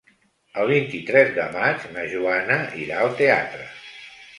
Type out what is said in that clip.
El vint-i-tres de maig na Joana irà al teatre.